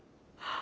あ！